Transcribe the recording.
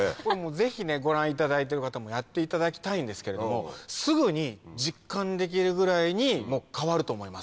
ぜひねご覧いただいてる方もやっていただきたいんですけれどもすぐに実感できるぐらいに変わると思います。